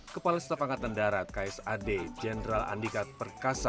kepala setapangkatan darat ksad jenderal andika perkasa